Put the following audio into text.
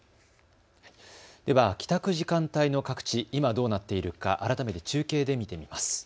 では帰宅時間帯の各地、今どうなっているか改めて中継で見てみます。